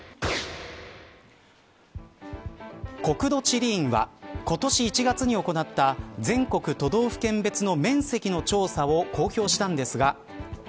国土地理院は今年１月に行った全国都道府県別の面積の調査を公表したんですが